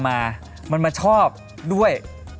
มามันมาชอบด้วย